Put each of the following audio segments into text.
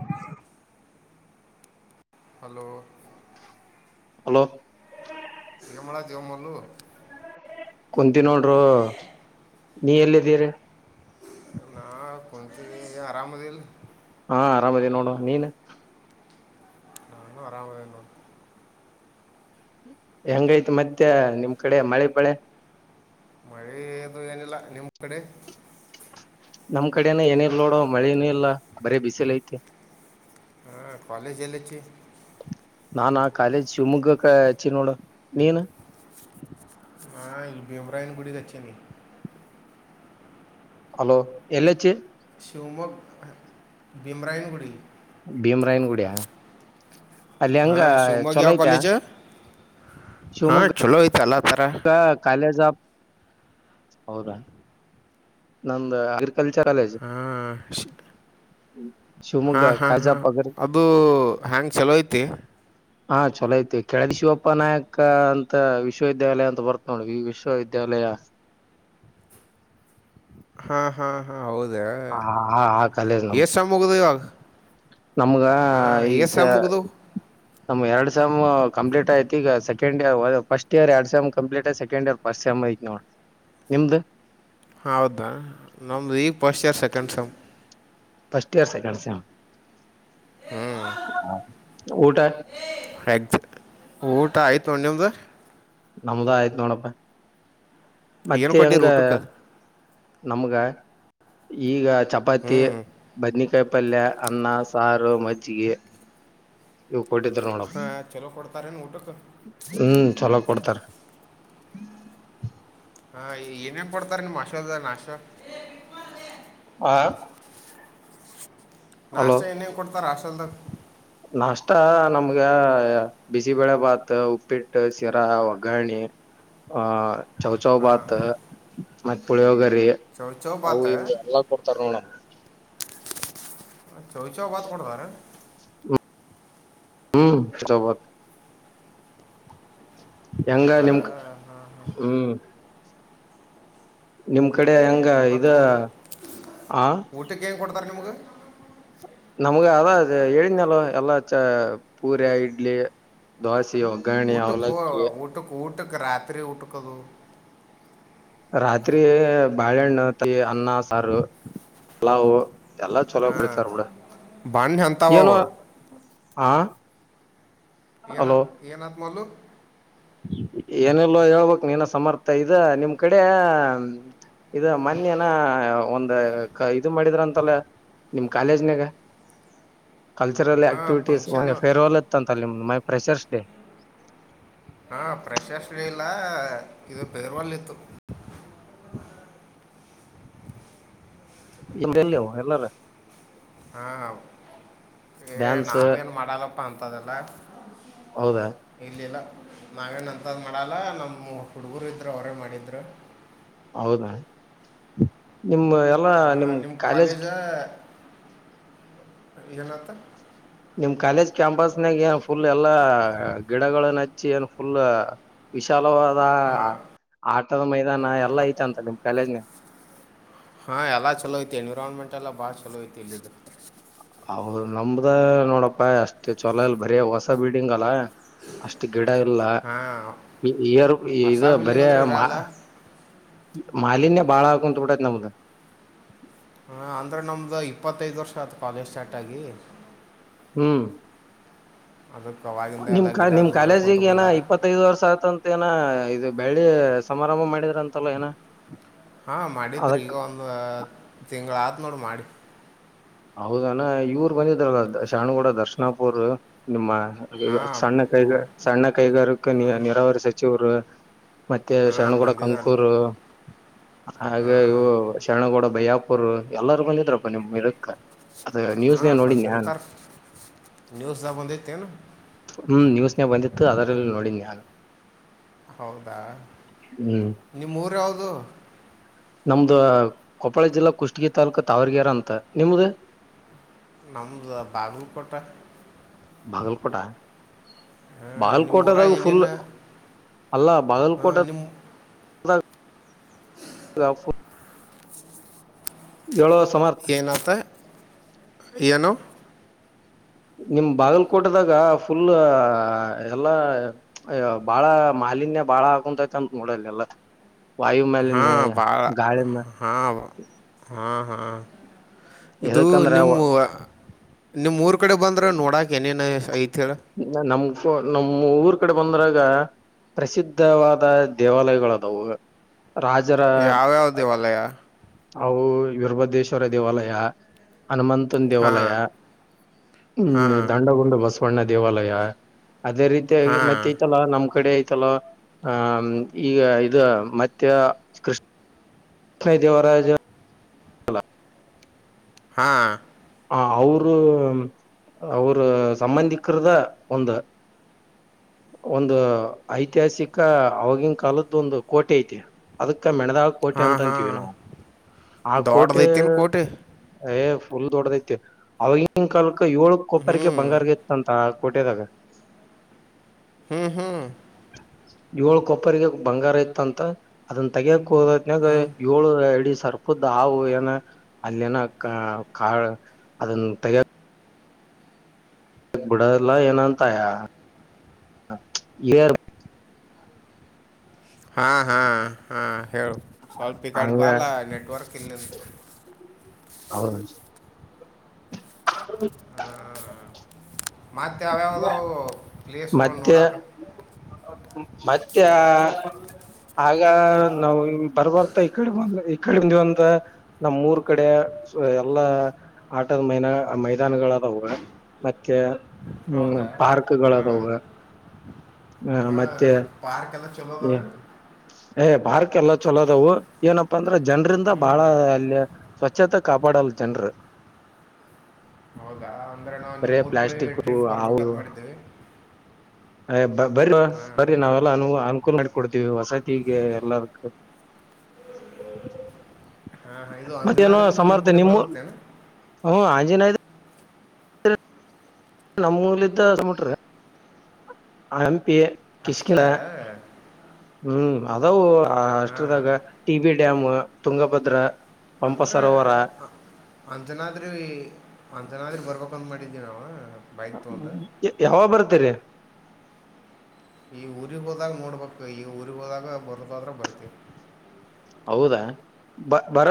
[unintelligible] Hello. Hello. ಏನ್ ಮಾಡತಿಯೊ ಮಲ್ಲು. ಕುಂತಿನೋಡರೊ ನೀ ಎಲ್ಲಿದ್ದೀರಿ. ನಾ ಕುಂತಿದಿನಿ ಅರಮದಿಲ್ಲ. ಹಾ ಆರಾಮದಿ ನೋಡೊ ನೀನ್. ನಾನು ಆರಾಮದಿನೋಡ್ [unintelligible] ಹೆಂಗೈತಿ ಮತ್ತೆ ನಿಮ್ ಕಡೆ ಮಳೆ ಬಳೆ. ಮಳೆ ಎದು ಏನಿಲ್ಲ ನಿಮ್ಕಡೆ. ನಮ್ ಕಡೆನ ಏನೇ ಇಲ್ಲ ನೋಡೋ ಮಳೇನೂ ಇಲ್ಲ ಬರೀ ಬಿಸಿಲ ಐತಿ. ಹಾ ಕಾಲೇಜ್ ಎಲ್ಲಚ್ಚಿ. ನಾನಾ ಕಾಲೇಜ್ ಶಿವಮೊಗ್ಗಕ್ಕ ಹಚ್ಚಿ ನೋಡ ನೀನು. ಹಾ ಇಲ್ಲಿ ಭಿಂರಾಯನ್ಗುಡಿಗಚ್ಚಿನಿ. ಹಲೋ ಎಲ್ಲಾಚ್ಚಿಯಿ. ಶಿವಮೊಗ್ ಭಿಮ್ರಾಯನ್ಗುಡಿ. ಭೀಮರಾಯನ್ ಗುಡಿಅ. ಅಲ್ಲಿ ಹೆಂಗ ಚೊಲೋ ಐತ. ಹಾ ಶಿವಮೊಗ್ಗ ಚಲೋ ಐತ ಎಲ್ಲಾ. [unintelligible] ಹೌದಾ. ನಂದ [unintelligible] ಹ್ಮ ಅಷ್ಟೆ [unintelligible] ಹಾ ಶಿವಮೊಗ್ಗ ಹಾ ಕಾಲೇಜ್ ಹಾ ಆಫ್ ಅಗ್ರಿ ಅಬು ಹೆಂಗ್ ಚಲೋ ಐತಿ. ಹಾ ಚಲೋಐತಿ ಕೆಳದಿ ಶಿವಪ್ಪ ನಾಯಕ ಅಂತ ವಿಶ್ವವಿದ್ಯಾಲಯ ಅಂತ ಬರ್ತ್ ನೋಡ ವಿ ವಿಶ್ವವಿದ್ಯಾಲಯ. ಹಾ ಹಾ ಹಾ. ಹ ಹಾ ಆ ಕಾಲೇಜ್ ಏ ನಮ್ದ ಸಮ್ ಮುಗಿದು ಇವಾಗ ನಮ್ಗ ಹಾಂ ಏ ಈಗಸ ಸಮ್ ಮುಗಿದು ನಮ್ ಎರಡ್ ಸೆಮ್ಮು. ಕಂಪ್ಲೀಟ್ ಆಯ್ತ ಈಗ ಸೆಕಂಡ್ ಇಯರ್ ಫಸ್ಟ್ ಇಯರ್ ಎರಡ್ ಸೆಂ ಕಂಪ್ಲೀಟ್ ಆಯ್ತು ಸೆಕಂಡ್ ಇಯರ್ ಫಸ್ಟ್ ಸೆಂ ಐತೆ ನೋಡಿ ನಿಮ್ದು. ಹೌದಾ ನಮ್ದು ಈಗ first year [unintelligible] [unintelligible] first year second sem. ಊಟ. ಎಕ್ಸ್ ಊಟ ಆಯ್ತು ನಿಮ್ದು. ನಮ್ದ ಆಯ್ತ್ ನೋಡಪ್ಪ. ಏನು ಮತ್ತೆ ಹೆಂಗ. ಕೊಟ್ಟಿರಿ ಊಟಕ್ಕೆ ನಮ್ಗ ಈಗ ಹ್ಞೂ ಚಪಾತಿ ಬದನಿಕಾಯಿ ಪಲ್ಯ ಅನ್ನ ಸಾ ಸಾರು ಮಜ್ಜಿಗೆ ಕೊಟ್ಟಿದ್ರ ನೋಡಪ್ ಹಾಂ ಚಲೋ ಕೊಡ್ತಾರೇನು ಊಟಕ್ಕೆ ಹ್ಮ ಚಲೋ ಕೊಡ್ತಾರ. [inaudible] ಹಾ ಏನೇನ್ ಕೊಡ್ತಾರ್ ನಿಮ್ಮ್ ಹಾಸ್ಟೆಲ್ಡಾಗ್ ನಾಷ್ಟ. ಹಾ. ನಾಷ್ಟ ಏನೇನ್ ಕೊಡ್ತಾರ ಅಷ್ [unintelligible] ನಾಷ್ಟ್ ನಮ್ಗ ಬಿಸಿಬೇಳೆ ಬಾತ್ ಉಪ್ಪಿಟ್ಟ ಶಿರಾ ಒಗ್ಗರಣಿ ಆ. ಚೌಚೌ ಹಾಂ ಬಾತ. ಮತ್ತ ಪುಳಿವೋಗರ್ ಎ ಚೌ ಚೌ ಅವು ಬಾತ್ ಇವು ಎಲ್ಲಾ ಕೊಡ್ತಾರ ನೋಡ. ಚೌಚೌ ಬಾತ್ ಕೊಡ್ತಾರಾ. ಹ್ಮ ಚೌ ಬಾತ್. ಹೆಂಗ ಹೌದಾ ನಿಮ್ಕ್ ಹಾಂ ಹಾಂ [inaudible] ಹ್ಮ. ನಿಮ್ ಕಡೆ ಹೆಂಗ ಇದ ಮತ್ತು ಊಟ [inaudible] ಹ. [unintelligible] ನಿಮ್ಗ. ನಮ್ಗ ಅದ ಹೇಳಿದ್ನಲ್ಲೊ ಎಲ್ಲ ಚ [inaudible] ಪೂರಿ ಇಡ್ಲಿ ಧ್ವಾಸಿ. [unintelligible] ಒಗ್ಗರಣಿ ಊಟಕ್ಕೆ ಅವಲಕ್ಕಿ. ಊಟಕ್ಕೆ ಊಟಕ್ಕೆ ರಾತ್ರಿ ಊಟಕ್ ಅದು. ರಾತ್ರಿ ಬಾಳೆಹಣ್ಣು ಟೀ ಅನ್ನ ಸಾರು ಪಲಾವು. ಎಲ್ಲಾ [inaudible] ಚಲೋ ಹಾ ಕುಡಿತಾರ ಬಿಡ ಬಾನ್ನ್ ಏನು ಎಂತಾವವು. ಆ. ಏನ ಅಲೋ ಏನಾತ್ ಮೊಲ್ಲು. ಏನಿಲ್ಲೋ ಹೇಳ್ಬೇಕ್ ನೀನ ಸಮರ್ಥ ಇದ ನಿಮ್ ಕಡೆ ಇದು ಮೊನ್ನೆ ಏನೋ ಒಂದ್ ಇದು ಮಾಡಿದರಂತೆಲ್ಲ ನಿಮ್ಮ ಕಾಲೇಜಿನಗ. ಕಲ್ಚರಲ್ ಹಾಂ ಆಕ್ಟಿವಿಟೀಸ್ ಮೊನ್ನೆ ಫಂಕ್ಷನ್ ಫೇರೆವೆಲ್ ಇತ್ತಂತಲಾ ನಿಮ್ [unintelligible] ಫ್ರೆಷೆರ್ಸ್ ಡೇ. ಹಾ ಫ್ರೆಷೆರ್ಸ್ ರೇ ಇಲ್ಲ. ಇದು ಫೇರೆವೆಲ್ ಇತ್ತು. ಇಲ್ [unintelligible] ಎಲ್ [unintelligible] ಅವ ಎಲ್ಲಾರ. ಹಾ ಏ ಡ್ಯಾನ್ಸ್ ನಾವೇನ್ ಮಾಡಲ್ಲಪ್ಪ ಅಂತದೆಲ್ಲ. ಹೌದಾ ಇಲ್ಲಿಲ್ಲ. ನಾವೇನ್ ಅಂತದ್ ಮಾಡಲ್ಲ ನಮ್ ಹುಡುಗರು ಇದರು ಅವರೇ ಮಾಡಿದರು. ಹೌದಾ. [inaudible] ನಿಮ ಎಲ್ಲಾ ನಿಮ್ ಕಾಲೇಜ್ [inaudible] ಏನಾತು. ನಿಮ್ ಕಾಲೇಜ್ ಕ್ಯಾಂಪಸ್ನಾಗ್ ಏನ್ ಫುಲ್ ಎಲ್ಲಾ ಗಿಡಗಳನ್ನ ಹಚ್ಚಿ ಏನ್ ಫುಲ್ [inaudible] ವಿಶಾಲವಾ ಆ [unintelligible] ಆಟದ ಮೈದಾನ ಎಲ್ಲಾ ಐತೆ ಅಂತೆಲ್ಲ ನಿಮ್. ಕಾಲಜನ. ಹಾ ಎಲ್ಲ ಚುಲೋ ಐತಿ ಎನ್ವಿರಾನ್‌ಮೆಂ ಟ್ಟಲ್ಲ ಭಾಳ್ ಚುಲೋ ಐತಿ ಇಲ್ಲಿದ. ಹೌದು ನಮ್ದ ನೋಡಪ್ಪಾ ಅಷ್ಟೇ ಚಲೋ ಇಲ್ ಬರೇ ಹೊಸ ಬಿಲ್ಡಿಂಗ್ ಅಲ್ಲ ಅಷ್ಟ ಗಿಡ ಇಲ್ಲ ಹಾಂ ಇ ಇಯರ್ ಹೊಸ ಇದು ಬಿಲ್ಡಿಂಗ್ ಬರಿ ಅಂದ್ರೆ ಮಾ ಇರಲ್ಲ ಮಾಲಿನ್ಯ ಬಾಳ ಆಗಾಕುಂತ್ಬಿಟೈತ್ ನಮ್ದ. ಹಾ ಅಂದ್ರ ನಮ್ದು ಇಪ್ಪತ್ತೈದು ವರ್ಷ ಆತ್ ಕಾಲೇಜ್ ಸ್ಟಾರ್ಟ್ ಆಗಿ. ಹ್ಮ. ಅದಕ್ಕೆ ಅವಾಗಿಂದ ನಿಮ್ ಎಲ್ಲ ಕಾ ಗಿಡ ನಿಮ್ ಅದು ಬೆಳೆಸ್ಕೊಂತ ಕಾಲೇಜಿಗೆ ಏನಾ ಬಂದಾರ ಇಪ್ಪತ್ತೈದು ವರ್ಷ ಆಯ್ತಂತ ಏನ ಇದು. ಬೆಳ್ಳಿ ಸಮಾರಂಭ ಮಾಡಿದ್ರಂತಲ್ಲ ಏನ. ಹಾ ಮಾಡಿದ್ರ್ ಅದಕ್ ಈಗ ಒಂದು ತಿಂಗಳ ಆ ನೋಡ್ ಮಾಡಿ. ಹೌದನ ಇವರು ಬಂದಿದ್ರಲ್ಲ ಶಾಣುಗೂಡ ದರ್ಶನಪ್ಪಾವ್ರು ನಿಮ್ಮ. ಹಾಂ ಸಣ್ಣ ಕೈಗ ಸಣ್ಣ ಕೈಗಾರಕ್ಕೆ ನಿ ನಿರಾವರಿ ಸಚಿವ್ರ. ಮತ್ತೆ ಹಾಂ ಶರಣಗೋಡ ಬಂದಿದ್ರಲ್ಲ ಕಂಕೂರು ಹಾಗ ಹಾಂ ಇವು ಶರಣಗೋಡ ಬಯಾಪ್ ವ್ರು ಎಲ್ಲಾರ ಬಂದಿದ್ರಪ್ಪ ನಿಮ್ ಇದಕ್. ಅದ ಹಾ ನ್ಯೂಸ್ನೇ ನೋಡಿನಿ ನಾನ್ ಬಂದಿರ್ತಾರ್ ನ್ಯೂಸ್ದಾಗ್ ಬಂದಿತ್ ಏನ. ಹ್ಮ್ ನ್ಯೂಸ್ನೇ ಬಂದಿತ್ತು ಅದರಲ್ಲಿ ನೋಡಿದ್ನ್ಯಾನ. ಹೌದಾ ನಿಮ್ಮೂರ ಯಾವ್ದು. ನಮ್ದ ಕೊಪ್ಪಳ ಜಿಲ್ಲಾ ಕುಷ್ಟಗೀ ತಾಲೂಕ ತಾವರ್ಗೇರ ಅಂತ ನಿಮ್ದ. ನಮ್ದು ಬಾಗಲ್ಕೋಟ. ಬಾಗಲ್ಕೋಟಾ ಹಾಂ ನಿಮ್ಮ ಊರಾಗ ಬಾಗಲ್ಕೋಟದಾಗ ಫುಲ್ ಏನೇನು ಅಲ್ಲ ಹಾಂ ಬಾಗಲಕೋಟ ನಿಮ್ಮ [unintelligible] ಏಳೋ. ಏನಾತ. ಏನು. ನಿಮ್ ಬಾಗಲ್ಕೋಟದಾಗ ಫುಲ್ ಎಲ್ಲಾ ಬಾಳ ಮಾಲಿನ್ಯ ಬಾಳ ಆಗಾಕುಂತೈತ ಅಂತ ನೋಡಲ್ಲೆಲ್ಲ. ಹಾ ಭಾಳ ಹಾ ಹಾ. ಹಾ. ಇದು ಎದಕಂದ್ರ ನಿಮ್ ವ ನಿಮ್ಮೂರ. ಕಡೆ ಬಂದ್ರ ನೋಡಾಕ್ ಏನೇನ್ ಐ ಐತ ಹೇಳ. ನಮ್ ನಮ್ ಊರ್ ಕಡೆ ಬಂದ್ರಾಗ ಪ್ರಸಿದ್ಧವಾದ ದೇವಾಲಯಗಳದಾವ. ಯಾವ್ಯಾವ ದೇವಾಲಯಾ. ಅವು ವೀರಭದ್ರೇಶ್ವರ ದೇವಾಲಯ. ಹನುಮಂತನ್ ಹಾಂ ದೇವಾಲಯಾ ಹಾಂ ಹ್ಮ ದಾಂಡಗುಂಡ್ ಬಸ ಪಣ್ಣ ದೇವಾಲಯ. ಅದೇ ರೀತಿಯಾಗಿ ಹಾಂ ಮತೈತ್ತಲ್ಲಾ ನಮ್ ಕಡೆ. ತಲ ಆಂ ಈಗ ಇದು ಮತ್ತ ಕೃಷ ಕೈದೇವರಾಜ [unintelligible] ಹಲ [unintelligible] ಹಾ. ಹ ಅವರು ಉಮ್ ಅವ್ರ ಸಂಬಂಧಿಕರದ ಒಂದು. ಒಂದು ಐತಿಹಾಸಿಕ ಆವಾಗಿನ ಕಾಲದ್ದು ಒಂದು ಕೋಟೆ ಐತಿ ಅದಕ್. ಕ್ಕ ಮೆಣದಾಳ್ ಕೋಟಿ ಹಾಂ ಅಂತಂತೀವಿ ಹಾಂ ನಾವು ಆ ಕೋಟೆ ದೊಡ್ಡದೈತೇನು ಕೋಟಿ [unintelligible] ಫುಲ್ ದೊಡದೈತೆ [unintelligible] ಕಾಲ. ಕ್ಕ ಏಳು ಹ್ಞೂ ಕೊಪ್ಪರೆಗೆ ಬಂಗಾರವಿತ್ತಂತ. ಕೊಟೆದಾಗ. ಹ್ಮ ಹ್ಮ. ಏಳ್ ಕೊಪ್ಪರಿಗೆ ಬಂಗಾರ ಇತ್ತಂತ ಅದನ್ನ ತಗಿಯಕ್. [unintelligible] ಏಳೂರಡಿ ಸ್. ಸರ್ಪದ್ ಹಾವು ಏನ ಅಲ್ಲಿ ಏನ ಕಾ ಕಾ ಅದನ್ ತೆಗ್ಯ. ಬಿಡಲ್ಲ ಏನಂತಯ [unintelligible] ಎ. ಹಾ ಹಾ ಹಾ. ಹೇಳು ಸ್ವಲ್ಪ ಈ ಕಡಿ ಹಂಗ ಬಾಲ ನೆಟ್ವರ್ಕ್ ಇಲ್ಲ. [unintelligible] [unintelligible] ಮತ್ತೆ [unintelligible] ಯಾವ್ಯಾವ್ದಾವು ಪ್ಲೇಸ್ಗಳು ಮತ್ತೆ ನೋಡಾಕ ಮತ್ತೆ. [unintelligible] ನಾವು. ಬರಬರ್ತ ಈಕಡೆ [unintelligible] [unintelligible] ಅಂತ ನಮ್ಮ್ ಮೂರ್ ಕಡೆ ಅ ಎಲ್ಲಾ ಆ ಆಟದ ಮೈನ ಮೈದಾನಗಳದಾವುವ ಮತ್ತೆ. ಹ್ಮ್ ಪಾರ್ಕ್ಗಳದವು. [unintelligible] ಹಾ ಪಾರ್ಕ ಎಲ್ಲ. ಚಲೋ ಅದಾವೇನು [unintelligible] ಏ ಪಾರ್ಕೆಲ್ಲ. ಚುಲೋದವು ಏನಪ್ಪಾ ಅಂದ್ರ ಜನ್ರಿಂದ ಹ್ಞೂ ಬಾಳ ಅಲ್ಲೆ ಸ್ವಚ್ಛತಾ ಕಾಪಾಡಲ್ಲ್ ಜನ್ರ. ಹೌದಾ. ಅಂದ್ರೆ ನಾವು ನಿಮ್ಮ ಬರೆ ಮೂರು ಕಡೆ ಪ್ಲಾಸ್ಟಿಕೂ ಟ್ರಿಪ್ ಆವ ಈವ ಬರ್ಬೇಕಂತ ಮಾಡಿದ್ದೀವಿ ಎ ಬ ಬರ್ರ್ಯೋ ಹಾಂ ಬರ್ರೀ ನಾವೆಲ್ಲ ಅನು ಅನ್ಕೂಲ ಮಾಡ ಕೊಡ್ತೀವಿ ವಸತಿಗೆ ಎಲ್ಲದಕ್ಕೂ. ಹಾಂ ಹಾಂ ಇದು ಮತ್ತೇನೋ ಅಂಜನಾದ್ರೂ ನಿಮ್ಮ ಸಮರ್ಥ ಕಡೆ ನಿಮ್ಮೂ ಬರೋದೇನು ಹ್ಮ ಆಂಜನಾದ್ [unintelligible] ನಮ್ಮೂರ್ಲಿದ್ದ [unintelligible] ಆಯನ್ ಕಿಶ್ಕಿನ ಅಷ್ಟೇ ಹ್ಮ್ ಅದಾವು ಅ ಅಷ್ಟ್ರದಾಗ ಹಾಂ T B dam. Tungabhadra. Pampa ಅಂದ್ರೆ ಸರೋವರ ಅ ಅಂಜನಾದ್ರಿ ಜನಾದ್ರೀ ಬರ್ಬೇಕಂತ್ ಮಾಡಿದ್ವಿ ನಾವ. ಯಾವಾಗ ಬರ್ತೀರಿ. ಈ ಊರಿಗ್ ಹೋದಾಗ ನೋಡ್ಬೇಕು ಈ ಊರಿಗ್ ಹೋದಾಗ ಬರೂದಾದ್ರ ಬರ್ತಿವಿ. ಹೌದಾ ಬ ಬರ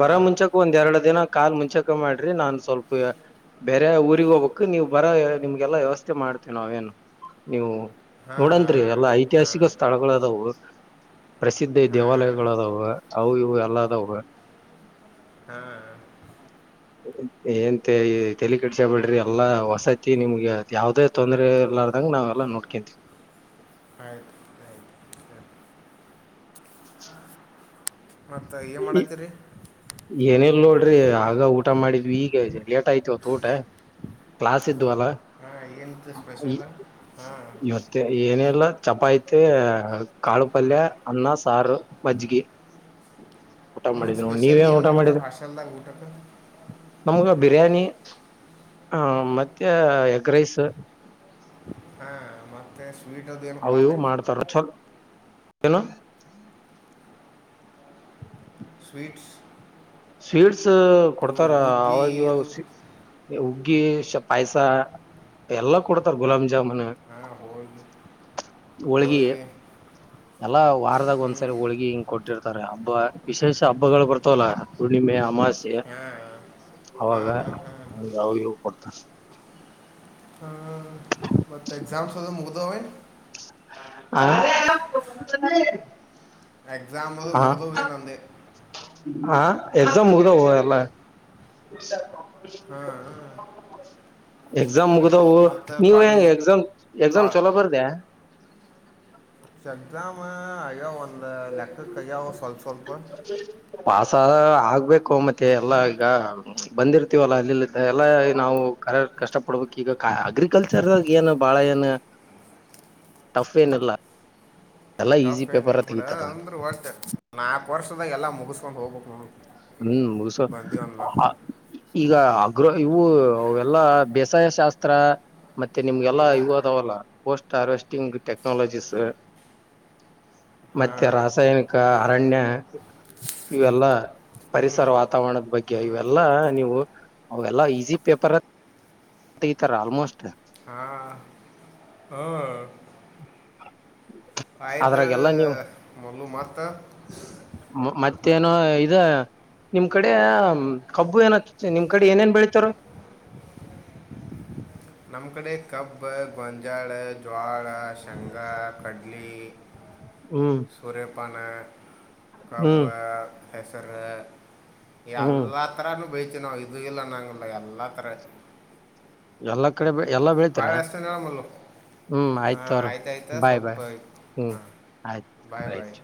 ಬರ ಮುಂಚಕ ಒಂದ್ ಎರಡು ದಿನ ಕಾಲ್ ಮಿಂಚಾಕ್ ಕ ಮಾಡ್ರಿ ನಾನ್ ಸ್ವಲ್ಪ ಬೇರೆ ಊರಿಗೆ ಹೋಗ್ಬೇಕ ನೀವ ಬರೋ ನಿಮ್ಗೆಲ್ಲ ವ್ಯವಸ್ಥೆ ಮಾಡ್ತೇವಿ ನಾವೇನು ನೀವು ಹಾಂ ನೋಡಂತ್ರಿ ಹಾಂ ಎಲ್ಲ ಹಾಂ ಐತಿಹಾಸಿಕ ಸ್ಥಳಗಳದವು ಪ್ರಸಿದ್ಧ ದೇವಾಲಯ ಹಾಂ ಅವು ಇವು ಎಲ್ಲ ಅದಾವ. ಹಾಂ ಏನ್ ತೆ ತೆಲಿ ಕೆಡ್ಸ್ಗಬೇಡ್ರಿ ಎಲ್ಲಾ ವಸತಿ ನಿಮ್ಗ ಯಾವ್ದೇ ತೊಂದರೆ ಇರ್ಲಾರ ಅಂಗ ನಾವೆಲ್ಲ ನೋಡ್ಕಂತವಿ. ಆಯ್ತು ಆಯ್ತು ಮತ್ತು ಏನು ಮಾಡತ್ತೀರಿ ಏನಿಲ್ ನೋಡ್ರಿ. ಆಗ ಊಟ ಮಾಡಿದ್ವಿ ಈಗ ಲೇಟ್ ಆಯ್ತ ಇವತ್ತು ಊಟ ಕ್ಲಾಸ್ ಇದ್ವಲ್ಲ. ಹಾಂ ಏನು ಈ ಸ್ಪೆಷಲ್ ಹಾಂ ಇವತ್ತ ಏನು ಇಲ್ಲ. ಚಪಾತಿ, ಕಾಳು ಪಲ್ಯ, ಅನ್ನ, ಸಾರು, ಮಜ್ಗಿ. ಊಟ ನಿಮಗ್ ಮಾಡಿದ್ವಿ ನೋಡಿ ಸ್ಪೆಷಲ್ ನೀವೇನ್ ಏನ್ ಊಟ ಮಾಡ್ತಾರ ಮಾಡಿದ್ರಿ ಹಾಸ್ಟೆಲ್ದಾಗ. ಹಟಕ್ಕೆ ನಮ್ಗ ಬಿರಿಯಾನಿ ಹಾ ಮತ್ತೆ ಎಗ್ ರೈಸ. ಹಾ ಮತ್ತೆ ಅವ್ ಇವು ಮಾಡ್ತಾರ ಚೊರ್ ಏನು. ಸ್ವೀಟ್ಸ್. ಶೀಡ್ಸ್ ಸು ಇವು ಕೊಡ್ತಾರ ಹುಗ್ಗಿ ಆವಗ ಇವಾಗ ಅದು ಸಿ [unintelligible] ಉ ಗೀಸ್ ಪಾಯ್ಸ ಎಲ್ಲಾ ಕೊಡ್ತಾರ ಗುಲಂಜ ಜಾಮೂನು ಹಾಂ ಹೋಳ್ಗೆ [unintelligible] ಹೋಳ್ಗಿ [unintelligible] ಹೋಳ್ಗೆ ಎಲ್ಲ ವಾರ್ದಗ ಒಂದ್ಸರಿ ಹ್ಮ್. ಹೋಳ್ಗಿ ಹಿಂಗ ಕೊಟ್ಟಿರ್ ತರೆ ಹಬ್ಬ ವಿಶೇಷ ಹಬ್ಬಗಳು ಬರ್ತವಲ ಹುಣ್ಣಿಮಿ ಅಮಾಸ್ಯೆ [unintelligible] ಹಾ. ಹಾ, ಅವಾಗ ಹಾ, ಹಾ. ಅವ್ ಇವು ಕೊಡ್ತಾರ. ಹಾ. ಮತ್ತೆ ಎಕ್ಸಾಮ್ಸ್ [unintelligible] [unintelligible] ಅ [unintelligible] ಎಗ್ಸಾಮಲ್ ಮುಗುಡೋಗ್ಯವ ನಂದು ಹ ಎಕ್ಸಾಮ್ ಮುಗ್ದವೋ ಎಲ್ಲ. ಷ ಹಾ ಹ ಎಗ್ಸ್ ಎಕ್ಸಾಮ್ ಮುಗ್ದವು ನೀವ್ ಹೆಂಗ ಎಕ್ಸಾಮ್ ಕಾ ಎಕ್ಸಾಮ್ ಚೊಲೋ ಬರ್ದೆ [inaudible] ಎಕ್ಸಾಮಾ ಇಗ ಒಂದ ಲೆಕ್ಕಕ್ ಆಗ್ಯವ ಸ್ವಲ್ಪ ಸ್ವಲ್ಪು ಪಾಸಾ ಆಗ್ಬೇಕು ಮತ್ತೆ ಎಲ್ಲ ಈಗ ಬಂದಿರ್ತೀವಲ್ಲ ಅಲ್ಲಿ ಇಲ್ಲಿತ ಎಲ್ಲಾ ನಾವು ಕ ಕಷ್ಟಪಡ್ಬೇಕು ಈಗ ಕ ಅಗ್ರಿಕಲ್ಚರ್ ರಾಗ ಏನು ಬಾಳ ಏನು ಟಫ್ಫೇನಿಲ್ಲ ಟಫ್ ಏನ್ ಇಲ್ ಬಿಡ ಅಂದ್ರ ಒಟ್ ನಾಕ್ ವರ್ಷ್ದಾಗ ಎಲ್ಲ ಮುಗಸ್ಕೊಂಡು ಹೋಗ್ಬೇಕು ಹ್ಮ್ ಮುಗಸೊ ಬಂದೀವಿ ಅಂದ ಅ [unintelligible] ಈಗ ಆಗ್ರೋ ಇವು ಅವಲ್ಲಾ ಬೇಸಾಯ ಶಾಸ್ತ್ರ ಮತ್ತೆ ನಿಮ್ಗೆಲ್ಲಾ ಇವು ಅದಾವಲ್ಲ ಪೋಸ್ಟ್ ಹಾರ್ವೆಸ್ಟಿಂಗ್ ಟೆಕ್ನಾಲಜೀಸ ಮತ್ತೆ ಹಾಂ ರಾಸಾಯನಿಕ ರಣ್ಯ [unintelligible] ಇವೆಲ್ಲಾ ಹ್ಞೂ ಪರಿಸರ ವಾತಾವರಣದ್ ಬಗ್ಗೆ ಇವೆಲ್ಲಾ ನೀವು ಅವೆಲ್ಲಾ ಈಸಿ ಪೇಪರ್ರಾ [unintelligible] ತೆಗಿತರ ಆಲ್ಮೋಸ್ಟ್. ಹಾಂ ಹ್ಞೂ [unintelligible] ಅದ್ರಾಗೆಲ್ಲ ನೀವ್ ಮತ್ತ ಮ ಮತ್ತೇನೋ ಇದ ನಿಮ್ ಕಡೇ ಆ ಮ್ ಕಬ್ಬು ಏನ ನಿಮ್ ಕಡೆ ಏನೇನ್ ಬೆಳತರ [unintelligible] ನಮ್ ಕಡೆ ಕಬ್ಬಾ ಗೊಂಜಾಳ ಜ್ವಾಳ ಶೇಂಗಾ ಕಡ್ಲೀ ಹ್ಮ್ ಪಾನ ಕಬ್ಬ ಹ್ಮ್ ಹೆಸ್ಸರ್ರ ಹ್ಮ್ ಎಲ್ಲಾ ತರನು ಬೆ ತಿವಿ ನಾವ್ ಇದು ಇಲ್ಲ ಅನಂಗಲ್ಲ ಎಲ್ಲಾ ತರ. ಎಲ್ಲ ಕಡೆ ಬೆ ವಳ್ಳಿ ಅಸ್ತಿನಿನೋ ಮಲ್ಲು ಹ್ಮ್ [unintelligible] ಹ ಆಯ್ತ ಅವ್ರ ಆಯ್ತ್ ಆಯ್ತ್ ಬಾಯ್ ಬಾಯ್ ಸ್ವಲ್ಪು ಹ್ಮ್ ಹ ಆಯ್ತು ಬಾಯ್ ಬಾಯ್. ರೈಟ್